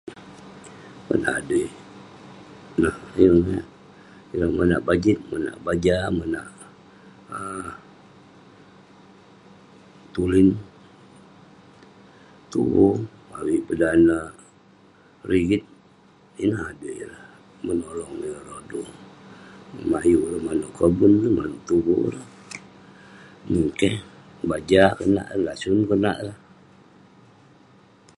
Pun aduh, ineh..ireh monak bajet, monak baja, monak um tulin, tuvu..avik peh dan neh rigit. Ineh adui ireh..menolong ireh rodu, ayuk ireh manouk kobun, manouk tuvu ireh..yeng keh..ngebaja, konak eh lah, lasun..konak eh lah